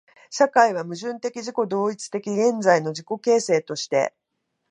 社会は矛盾的自己同一的現在の自己形成として、